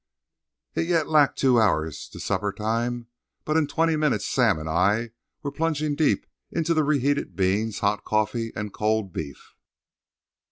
It yet lacked two hours to supper time; but in twenty minutes Sam and I were plunging deep into the reheated beans, hot coffee, and cold beef.